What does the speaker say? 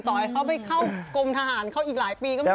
ต่อให้เขาไปเข้ากรมทหารเขาอีกหลายปีก็มี